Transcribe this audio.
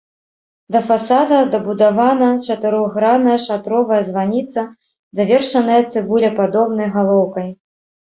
Да фасада дабудавана чатырохгранная шатровая званіца, завершаная цыбулепадобнай галоўкай.